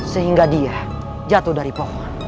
sehingga dia jatuh dari pohon